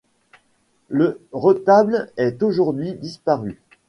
Le retable est aujourd'hui disparu.